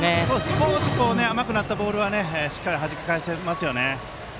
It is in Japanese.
少し甘くなったボールはしっかりはじき返せますね。